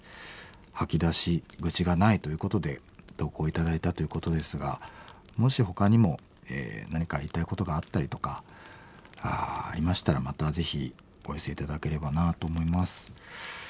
吐き出し口がないということで投稿頂いたということですがもしほかにも何か言いたいことがあったりとかありましたらまたぜひお寄せ頂ければなと思います。